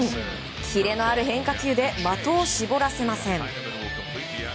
キレのある変化球で的を絞らせません。